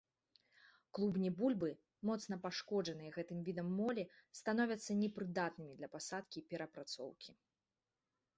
Клубні бульбы, моцна пашкоджаныя гэтым відам молі, становяцца непрыдатнымі для пасадкі і перапрацоўкі.